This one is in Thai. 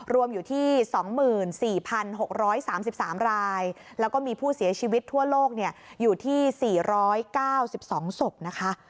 รวมอยู่ที่๒๔๖๓๓รายแล้วก็มีผู้เสียชีวิตทั่วโลกอยู่ที่๔๙๒ศพนะคะ